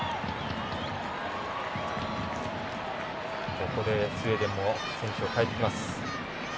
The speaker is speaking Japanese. ここでスウェーデンも選手を代えてきます。